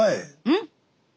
うん？